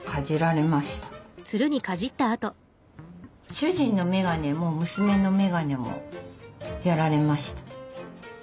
主人の眼鏡も娘の眼鏡もやられました。